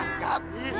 oh ada penjahat